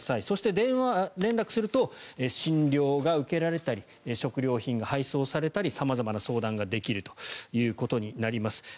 そして、電話連絡をすると診療が受けられたり食料品が配送されたり様々相談ができたりということになります。